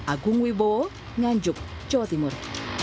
agung wibowo nganjuk jawa timur